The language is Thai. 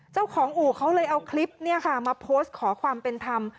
เจ้าของอู่เขาเลยเอาคลิปมาโพสต์ขอความเป็นธรรม